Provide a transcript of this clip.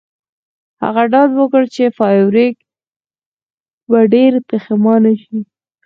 هغه ډاډ ورکړ چې فارویک به ډیر پښیمانه شي